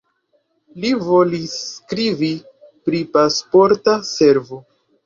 Li volis skribi pri Pasporta Servo.